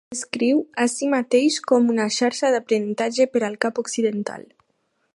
Es descriu a sí mateix com "una xarxa d'aprenentatge per al Cap Occidental".